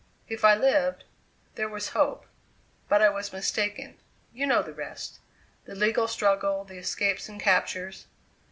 If I lived there was hope; but I was mistaken. You know the rest. The legal struggle, the escapes and captures.